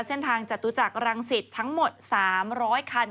เส้นทางจตุจักรรังสิตทั้งหมด๓๐๐คัน